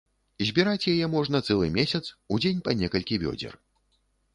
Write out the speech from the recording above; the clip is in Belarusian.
Збіраць яе можна цэлы месяц, у дзень па некалькі вёдзер.